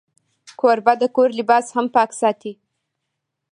کوربه د کور لباس هم پاک ساتي.